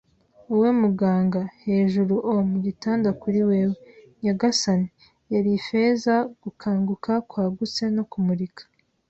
“Wowe, muganga! Hejuru o 'mugitondo kuri wewe, nyagasani! ” yarize Ifeza, gukanguka kwagutse no kumurika